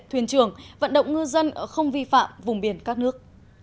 thuyền trưởng vận động ngư dân không vi phạm vùng biển các nước